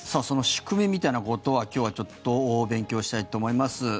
その仕組みみたいなことを今日は勉強したいと思います。